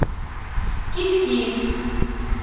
Kifkif.